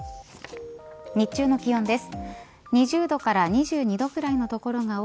日中の気温です。